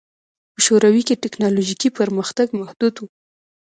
په شوروي کې ټکنالوژیکي پرمختګ محدود و